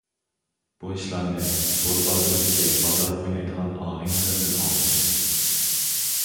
بۇ ئىشلارنى سودا بازىرىدىكى بازار ئوينايدىغان ئاغىنىلىرىمدىن ئاڭلىدىم.